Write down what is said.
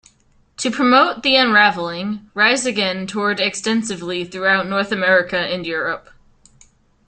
To promote "The Unraveling", Rise Against toured extensively throughout North America and Europe.